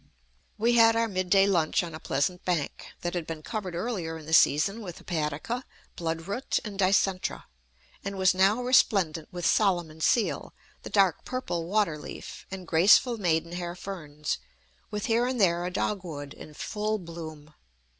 We had our mid day lunch on a pleasant bank, that had been covered earlier in the season with hepatica, blood root, and dicentra, and was now resplendent with Solomon's seal, the dark purple water leaf, and graceful maidenhair ferns, with here and there a dogwood in full bloom.